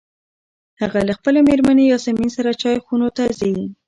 هغه له خپلې مېرمنې یاسمین سره چای خونو ته ځي.